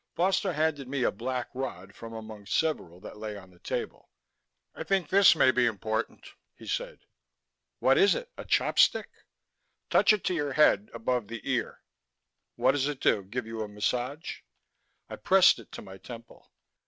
Foster handed me a black rod from among several that lay on the table. "I think this may be important," he said. "What is it, a chop stick?" "Touch it to your head, above the ear." "What does it do give you a massage?" I pressed it to my temple....